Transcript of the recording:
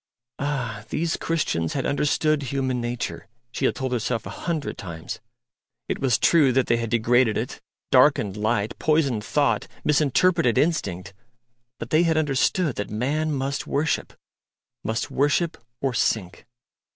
Ah! these Christians had understood human nature, she had told herself a hundred times: it was true that they had degraded it, darkened light, poisoned thought, misinterpreted instinct; but they had understood that man must worship must worship or sink.